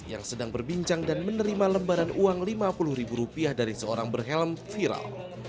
yang sedang berbincang dan menerima lembaran uang lima puluh ribu rupiah dari seorang berhelm viral